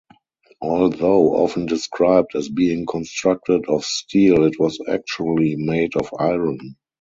Although often described as being constructed of steel, it was actually made of iron.